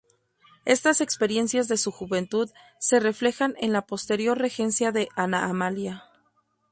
Estas experiencias de su juventud se reflejan en la posterior regencia de Ana Amalia.